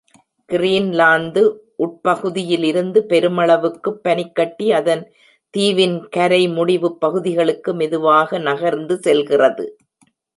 Greenland உட்பகுதியிலிருந்து பெருமள வுக்குப் பனிக்கட்டி அதன் தீவின் கரை முடிவுப் பகுதிகளுக்கு மெதுவாக நகர்ந்து செல்கிறது.